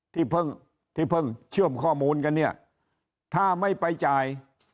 ที่เพิ่งเชื่อมข้อมูลกันถ้าไม่ไปจ่าย